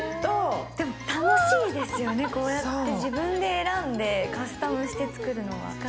でも楽しいですよね、こうやって自分で選んでカスタムして作るのは。